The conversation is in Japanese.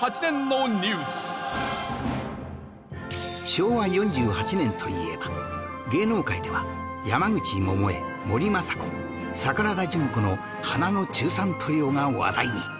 昭和４８年といえば芸能界では山口百恵森昌子桜田淳子の花の中３トリオが話題に